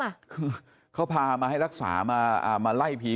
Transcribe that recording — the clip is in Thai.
คือเขาพามาให้รักษามาอ่ามาไล่ผี